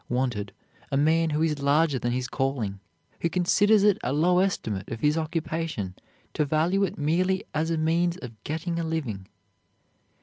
Wanted, a man who is larger than his calling, who considers it a low estimate of his occupation to value it merely as a means of getting a living.